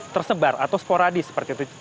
tersebar atau sporadis seperti itu